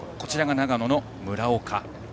長野の村岡。